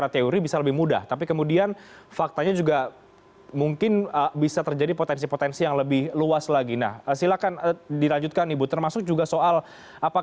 terima kasih pak cecep